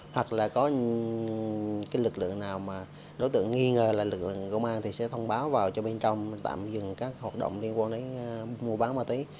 hoặc là có lực lượng nào mà đối tượng nghi ngờ là lực lượng công an thì sẽ thông báo vào cho bên trong tạm dừng các hoạt động liên quan đến mua bán ma túy